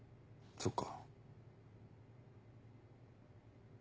そっか。